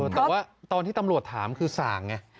แต่ว่าตอนที่ตำรวจถามคือส่างไง